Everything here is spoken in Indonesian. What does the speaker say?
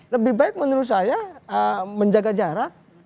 lebih baik menurut saya menjaga jarak